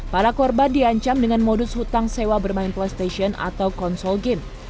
para korban diancam dengan modus hutang sewa bermain playstation atau konsol game